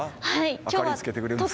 明かりつけてくれるんですか？